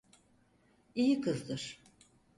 İyi kızdır.